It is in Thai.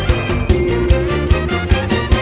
ให้มีเพียงฉันแม้เธอ